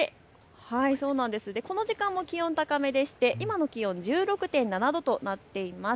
この時間も気温高めでして今の気温、１６．７度となっています。